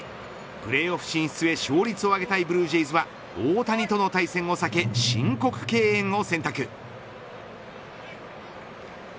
プレーオフ進出に勝利を挙げたいブルージェイズは大谷との対戦を避け申告敬遠を選択。